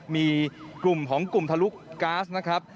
มีกลุ่มของกลุ่มทะลุก๊าซนะครับ